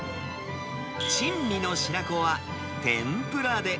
珍味の白子は天ぷらで。